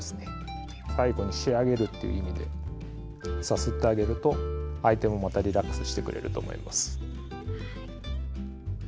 最後に仕上げるという意味でさすってあげると相手もまたリラックスしてくれると思います。